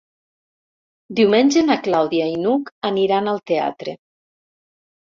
Diumenge na Clàudia i n'Hug aniran al teatre.